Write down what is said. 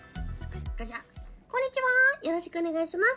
こんにちはー、よろしくお願いします。